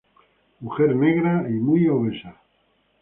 Mujer negra y muy obesa.